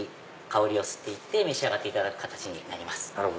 香りを吸って行って召し上がっていただく形になります。